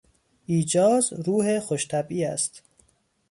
ایجاز روح خوشطبعی است.